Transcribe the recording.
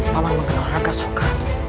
pak mat mengenal rangga soka